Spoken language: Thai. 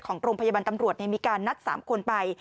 ของโรงพยาบาลตำรวจมีการนัด๓คนไป